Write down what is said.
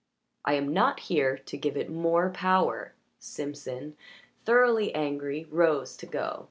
"I am not here to give it more power." Simpson, thoroughly angry, rose to go.